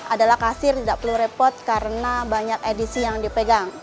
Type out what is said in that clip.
adalah kasir tidak perlu repot karena banyak edisi yang dipegang